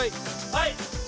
はい！